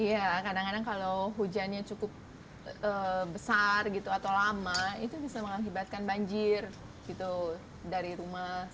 iya kadang kadang kalau hujannya cukup besar gitu atau lama itu bisa mengakibatkan banjir gitu dari rumah